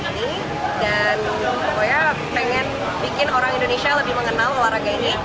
dan pokoknya pengen bikin orang indonesia lebih mengenal olahraga ini